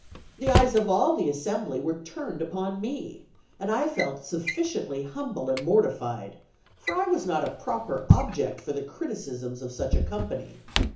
The eyes of all the assembly were turned upon me, and I felt sufficiently humble and mortified, for I was not a proper object for the criticisms of such a company.